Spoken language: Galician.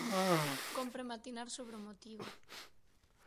Cómpre matinar sobre o motivo.